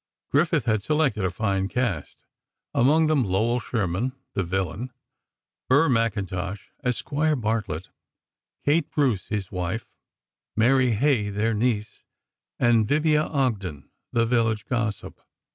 Griffith had selected a fine cast, among them Lowell Sherman, the villain; Burr McIntosh, as Squire Bartlett; Kate Bruce, his wife; Mary Hay, their niece; and Vivia Ogden, the village gossip.